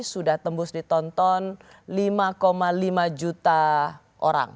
sudah tembus ditonton lima lima juta orang